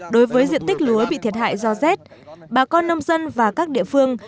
đối với diện tích lúa bị thiệt hại do rét bà con nông dân và các địa phương